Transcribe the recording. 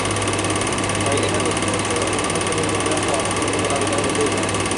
তাই এটা চলতি বছরের অনন্য ছবির মর্যাদা পাওয়ার অন্যতম দাবিদার হতেই পারে।